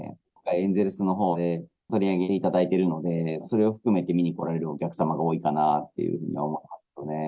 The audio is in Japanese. エンゼルスのほうで取り上げていただいているので、それを含めて見に来られるお客様が多いかなというふうに思っていますね。